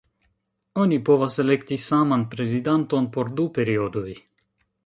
Oni povas elekti saman prezidanton por du periodoj.